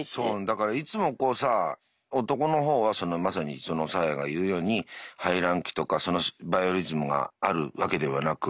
だからいつもこうさ男の方はまさにサーヤが言うように排卵期とかバイオリズムがあるわけではなく。